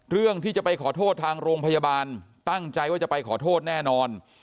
เรื่องที่จะไปขอโทษทางโรงพยาบาลตั้งใจว่าจะไปขอโทษแน่นอน